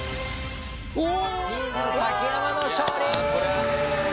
チーム竹山の勝利！